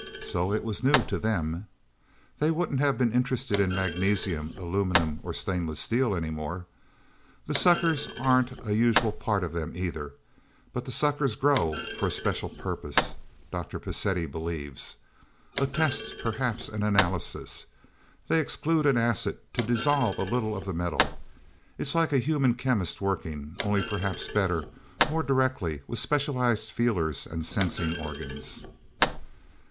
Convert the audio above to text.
So, it was new to them. They wouldn't have been interested in magnesium, aluminum, or stainless steel anymore. The suckers aren't a usual part of them either. But the suckers grow for a special purpose, Dr. Pacetti believes. A test perhaps an analysis. They exude an acid, to dissolve a little of the metal. It's like a human chemist working. Only, perhaps, better more directly with specialized feelers and sensing organs."